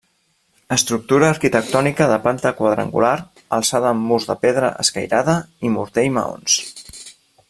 Estructura arquitectònica de planta quadrangular, alçada amb murs de pedra escairada i morter i maons.